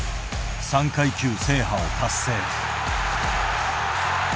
３階級制覇を達成。